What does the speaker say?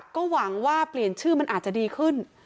ก็หวังว่าเปลี่ยนชื่อมันอาจจะดีขึ้น